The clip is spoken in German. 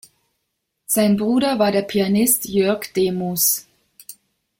Sein Bruder war der Pianist Jörg Demus.